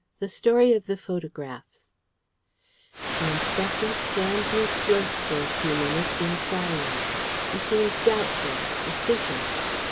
THE STORY OF THE PHOTOGRAPHS The Inspector scanned me close for a few minutes in silence. He seemed doubtful, suspicious.